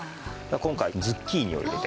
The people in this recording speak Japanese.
今回ズッキーニを入れて。